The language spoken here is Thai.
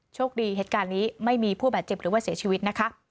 โชคดีเหตุการณ์นี้ไม่มีผู้บาดเจ็บหรือว่าเสียชีวิตนะคะ